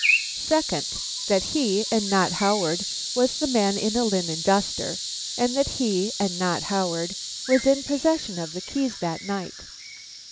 "Second: "That he and not Howard was the man in a linen duster, and that he and not Howard was in possession of the keys that night.